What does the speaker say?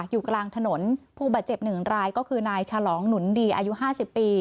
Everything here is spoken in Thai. อยู่กลางถนนผู้บาดเจ็บหนึ่งรายก็คือนายฉลองหนุนดีอายุ๕๐ปี